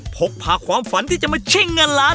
พกพาความฝันที่จะมาชิงเงินล้าน